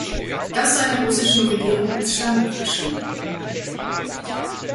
Das sei der russischen Regierung ins Stammbuch geschrieben.